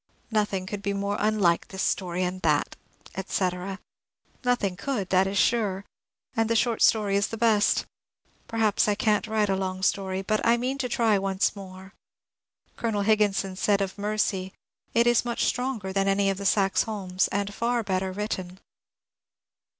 Nothing could be more unlike than this story and that," etc. Nothing could, that is sure, and the short story is the best. Perhaps I can't write* a long story, but I mean to tiy once more. Colonel Higginson said of '^ Mercy "^^ It is much stronger than any of the Saxe Holms, and far better written."